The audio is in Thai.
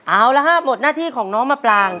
เอาละฮะหมดหน้าที่ของน้องมะปราง